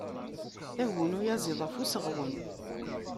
Taguni uyaziḍ af useɣwen.